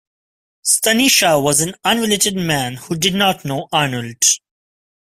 Stanisha was an unrelated man who did not know Arnold.